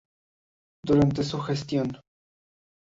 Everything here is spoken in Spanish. Durante su gestión.